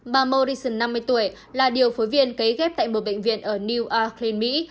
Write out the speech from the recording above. bà morrison năm mươi tuổi là điều phối viên cấy ghép tại một bệnh viện ở newark maine mỹ